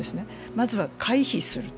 まずは回避すると。